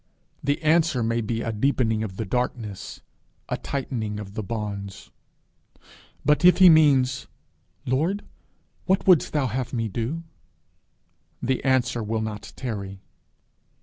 the answer may be a deepening of the darkness, a tightening of the bonds. But if he means, 'Lord, what wouldst thou have me to do?' the answer will not tarry.